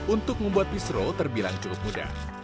untuk membuat misro terbilang cukup mudah